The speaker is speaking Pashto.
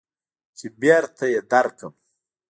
چې بېرته يې درکم.